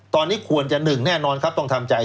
ตอนนี้ควรจะหนึ่งแน่นอนครับต้องทำใจ